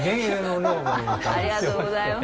ありがとうございます。